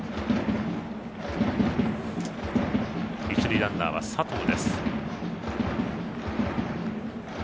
一塁ランナーは佐藤。